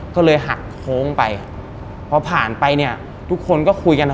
ก็เลยหักโค้งไปพอผ่านไปเนี่ยทุกคนก็คุยกันอ่ะ